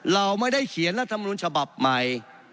เราไม่ได้เขียนรัฐมนุนฉบับใหม่